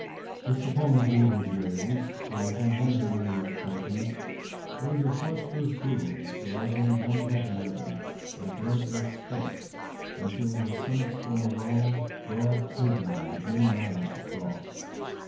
Just upon the border of Wales, but within one of the English counties, there is a cluster of hills, rising one above the other in gradual slopes, until the summits form a long, broad tableland, many miles across.